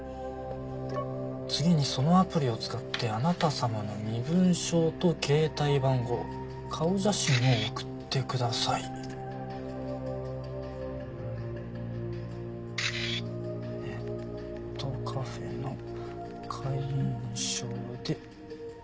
「次にそのアプリを使ってあなた様の身分証とケータイ番号顔写真を送ってください」「ネットカフェの会員証でお願いします」